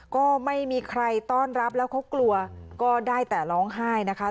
ก็ไม่มีใครต้อนรับแล้วเขากลัวก็ได้แต่ร้องไห้นะคะ